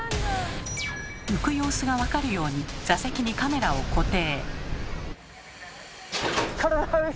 浮く様子が分かるように座席にカメラを固定。